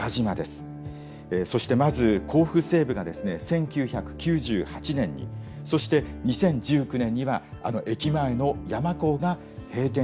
そしてまず甲府西武が１９９８年にそして２０１９年にはあの駅前の山交が閉店しました。